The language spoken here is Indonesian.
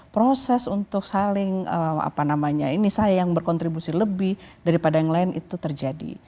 proses untuk saling apa namanya ini saya yang berkontribusi lebih daripada yang lain itu terjadi